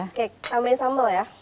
oke tambah sambel ya